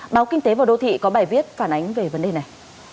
báo kinh tế và đô thị có bài viết phản ánh về vấn đề này